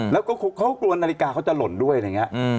แล้วก็เขากลัวนาฬิกาเขาจะหล่นด้วยอะไรอย่างนี้